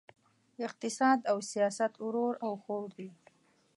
اقتصاد او سیاست ورور او خور دي!